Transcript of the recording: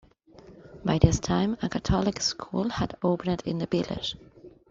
By this time a Catholic school had opened in the village.